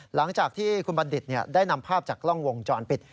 หลังจากที่คุณบัณฑิตได้นำภาพจากกล้องวงจรปิด